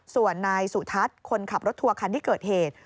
ส่วนนายสุทัศน์คนขับรถทัวร์คันที่เกิดเหตุ